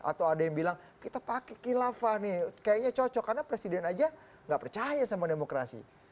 atau ada yang bilang kita pakai kilafah nih kayaknya cocok karena presiden aja gak percaya sama demokrasi